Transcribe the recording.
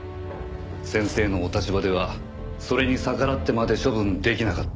先生のお立場ではそれに逆らってまで処分できなかった。